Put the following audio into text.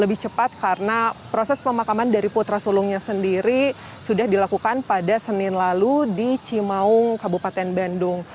lebih cepat karena proses pemakaman dari putra sulungnya sendiri sudah dilakukan pada senin lalu di cimaung kabupaten bandung